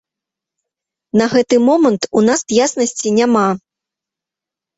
На гэты момант у нас яснасці няма.